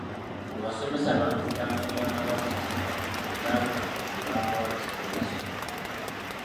Abasomesa bampitanga mwana wa sisita era nga nze tebangoba bisale bya ssomero.